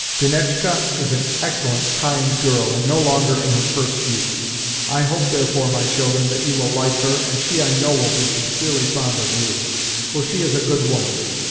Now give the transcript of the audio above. Dunetchka is an excellent, kind girl, and no longer in her first youth. I hope, therefore, my children, that you will like her, and she, I know, will be sincerely fond of you, for she is a good woman.